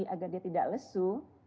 agar dia tidak lesu